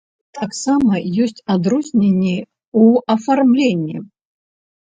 Таксама ёсць адрозненні ў афармленні.